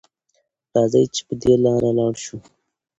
راځئ چې په دې لاره لاړ شو.